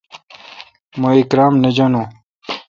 مہ اکرم نہ جانوُن۔